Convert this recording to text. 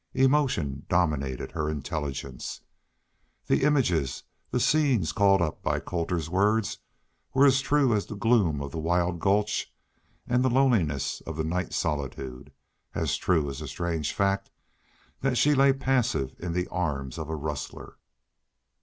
Emotion dominated her intelligence. The images, the scenes called up by Colter's words, were as true as the gloom of the wild gulch and the loneliness of the night solitude as true as the strange fact that she lay passive in the arm of a rustler.